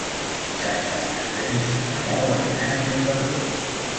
Dissabte en Genís i na Blau aniran a Collbató.